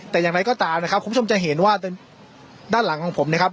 แต่อย่างไรก็ตามนะครับคุณผู้ชมจะเห็นว่าด้านหลังของผมนะครับ